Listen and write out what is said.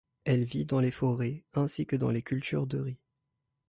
Elle vit dans les forêts ainsi que dans les cultures de riz.